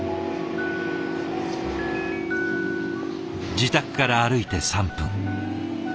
自宅から歩いて３分。